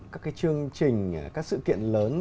các cái chương trình các sự kiện lớn